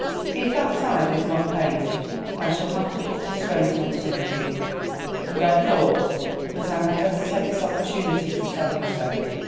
If that tithe is not paid I shall have to put distraint on some of you, and I thought that I had better take this opportunity to tell you so."